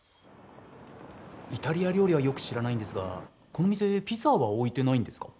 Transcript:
イタリア料理はよく知らないんですがこの店ピザは置いてないんですか？